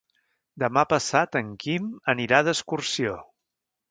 Demà passat en Quim anirà d'excursió.